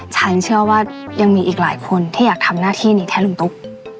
ฉันเชื่อว่ายังมีอีกหลายคนที่อยากทำหน้าที่นี้แค่ลุงตุ๊ก